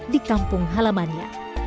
di kampung halamanya